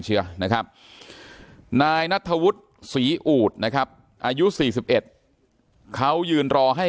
เชียร์นะครับนายนัทธวุฒิศรีอูดนะครับอายุ๔๑เขายืนรอให้